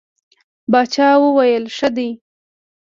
باچا وویل ښه دی.